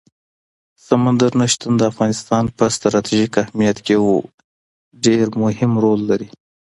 سمندر نه شتون د افغانستان په ستراتیژیک اهمیت کې یو ډېر مهم رول لري.